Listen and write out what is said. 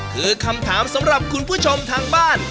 คือคำถามสำหรับคุณผู้ชมทางบ้าน